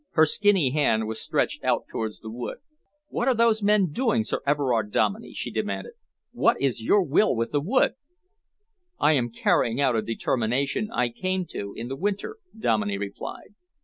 Her skinny hand was stretched out towards the wood. "What are those men doing, Sir Everard Dominey?" she demanded. "What is your will with the wood?" "I am carrying out a determination I came to in the winter," Dominey replied.